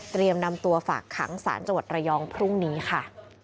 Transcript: นำตัวฝากขังสารจังหวัดระยองพรุ่งนี้ค่ะ